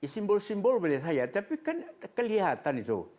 simbol simbol menurut saya tapi kan kelihatan itu